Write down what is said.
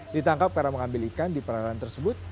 ditangkap karena mengambil ikan di perairan tersebut